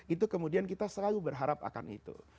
itu kemudian kita selalu berharap akan itu